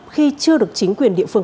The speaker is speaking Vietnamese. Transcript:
khi chưa được chính quyền địa phương